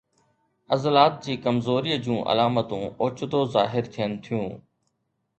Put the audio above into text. عضلات جي ڪمزوريءَ جون علامتون اوچتو ظاهر ٿين ٿيون